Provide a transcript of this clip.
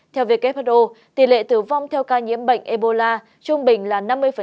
theo who tỷ lệ tử vong theo ca nhiễm bệnh ebola trung bình là năm mươi